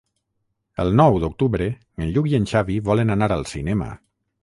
El nou d'octubre en Lluc i en Xavi volen anar al cinema.